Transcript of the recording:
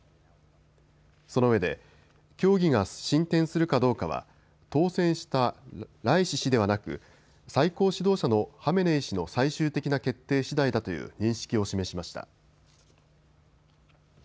そのうえで協議が進展するかどうかは当選したライシ師ではなく最高指導者のハメネイ師の最終的な決定しだいだという認識を示しました。